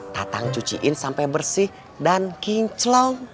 tatang cuciin sampai bersih dan kinclong